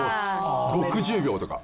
６０秒とか。